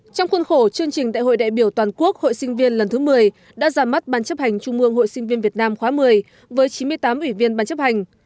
trong khuôn khổ chương trình đại hội đại biểu toàn quốc hội sinh viên lần thứ một mươi đã ra mắt ban chấp hành trung mương hội sinh viên việt nam khóa một mươi với chín mươi tám ủy viên ban chấp hành